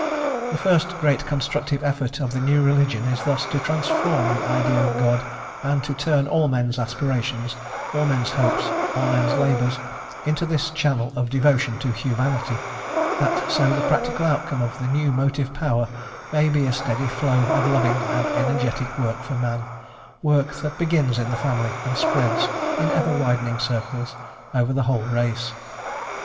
The first great constructive effort of the new religion is thus to transform the idea of God, and to turn all men's aspirations, all men's hopes, all men's labours, into this channel of devotion to humanity, that so the practical outcome of the new motive power may be a steady flow of loving and energetic work for man, work that begins in the family, and spreads, in ever widening circles, over the whole race.